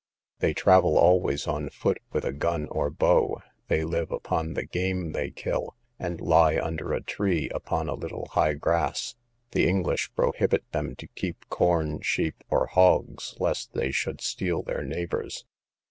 They travel always on foot with a gun or bow. They live upon the game they kill, and lie under a tree upon a little high grass. The English prohibit them to keep corn, sheep, or hogs, lest they should steal their neighbour's.